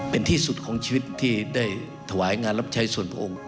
เป็นที่สุดของชีวิตที่ได้ถวายงานรับใช้ส่วนพระองค์